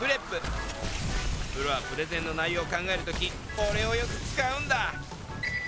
プロはプレゼンの内容を考えるときおれをよく使うんだ。